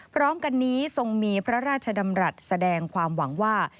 พร้อมกันนี้ทรงมีพระราชดำรัฐแสดงความหวังว่า